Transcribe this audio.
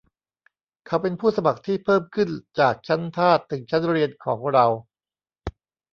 เขาเป็นผู้สมัครที่เพิ่มขึ้นจากชั้นทาสถึงชั้นเรียนของเรา